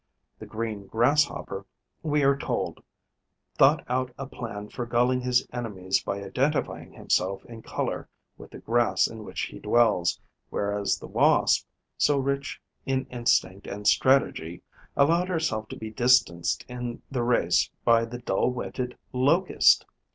The Green Grasshopper, we are told, thought out a plan for gulling his enemies by identifying himself in colour with the grass in which he dwells, whereas the Wasp, so rich in instinct and strategy, allowed herself to be distanced in the race by the dull witted Locust!